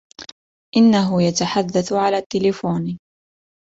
إنهُ يتحدث على التليفون.